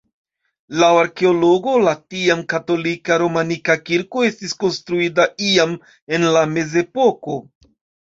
Laŭ arkeologoj la tiam katolika romanika kirko estis konstruita iam en la mezepoko.